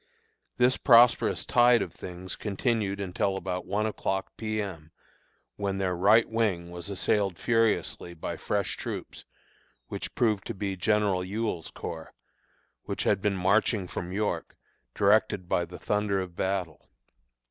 This prosperous tide of things continued until about one o'clock P. M., when their right wing was assailed furiously by fresh troops, which proved to be General Ewell's Corps, which had been marching from York, directed by the thunder of battle.